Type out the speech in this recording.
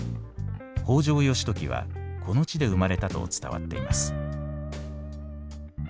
北条義時はこの地で生まれたと伝わっています。